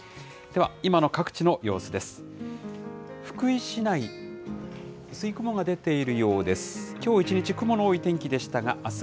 では今の各地の様子です。